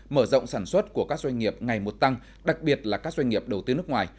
mở rộng sản xuất của các doanh nghiệp ngày một tăng đặc biệt là các doanh nghiệp đầu tư nước ngoài